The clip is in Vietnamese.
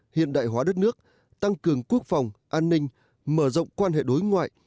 hiện đại hóa đất nước tăng cường quốc phòng an ninh mở rộng quan hệ đối ngoại